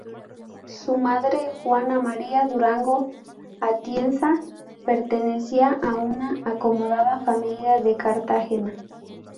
Su madre Juana María Durango Atienza, pertenecía a una acomodada familia de Cartagena.